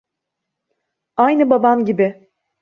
Aynı baban gibi.